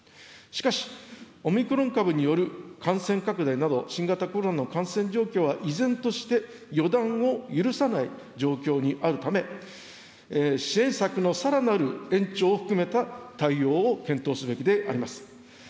しかし、オミクロン株による感染拡大など、新型コロナの感染状況は依然として予断を許さない状況にあるため、支援策のさらなる延長を含めた対応を検討すべきであります。